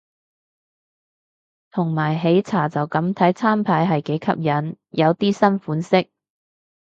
同埋喜茶就咁睇餐牌係幾吸引，有啲新款式